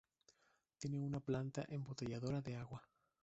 Tiene una planta embotelladora de agua.